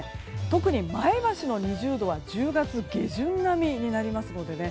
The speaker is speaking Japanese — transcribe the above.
特に前橋の２０度は１０月下旬並みになりますので。